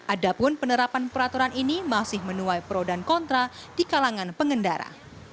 adapun penerapan peraturan ini masih menuai pro dan kontra di kalangan pengendara